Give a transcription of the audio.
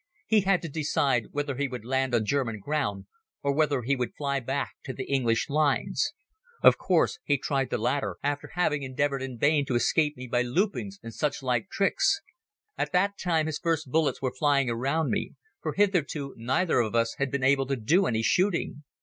He had to decide whether he would land on German ground or whether he would fly back to the English lines. Of course he tried the latter, after having endeavored in vain to escape me by loopings and such like tricks. At that time his first bullets were flying around me, for hitherto neither of us had been able to do any shooting.